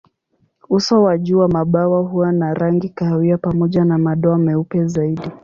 Uso wa juu wa mabawa huwa na rangi kahawia pamoja na madoa meupe zaidi.